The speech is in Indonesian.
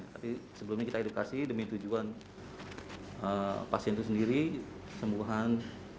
tapi sebelumnya kita edukasi demi tujuan pasien itu sendiri sembuhan